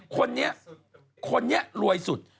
คนนี้คนนี้รวยสุด